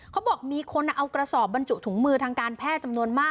เขาบอกมีคนเอากระสอบบรรจุถุงมือทางการแพทย์จำนวนมาก